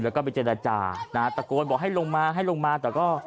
แล้วก็ไปเจรจานะฮะตะโกนบอกให้ลงมาให้ลงมาแต่ก็